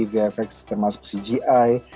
vfx termasuk cgi